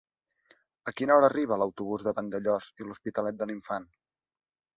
A quina hora arriba l'autobús de Vandellòs i l'Hospitalet de l'Infant?